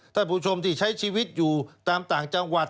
ท่านผู้ชมที่ใช้ชีวิตอยู่ตามต่างจังหวัด